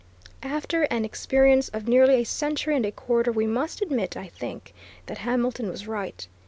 After an experience of nearly a century and a quarter we must admit, I think, that Hamilton was right.